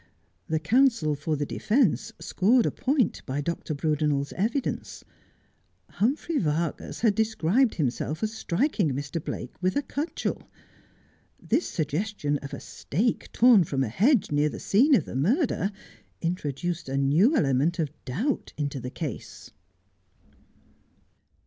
The counsel for the defence scored a point by Dr. Brudenel's evidence. Humphrey Vargas had described himself as striking Mr. Blake with a cudgel. This suggestion of a stake torn from a hedge near the scene of the murder introduced a new element of doubt into the case.